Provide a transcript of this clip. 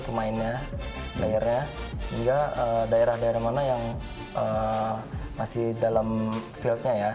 ke mainnya daerah hingga daerah daerah mana yang masih dalam field nya ya